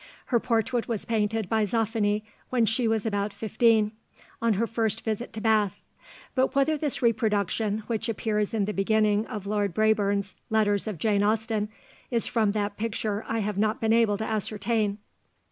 Her portrait was painted by Zoffany when she was about fifteen, on her first visit to Bath, but whether this reproduction, which appears in the beginning of Lord Brabourne's Letters of Jane Austen, is from that picture I have not been able to ascertain.